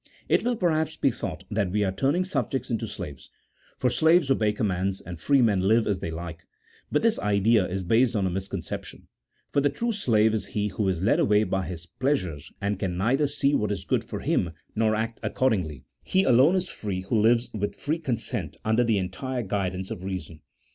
It will, perhaps, be thought that we are turning subjects into slaves : for slaves obey commands and free men live as they like ; but this idea is based on a misconception, for the true slave is he who is led away by his pleasures and can neither see what is good for him nor act accordingly : he alone is free who lives with free consent under the entire guidance of reason.